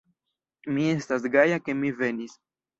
Mi estas gaja ke mi venis.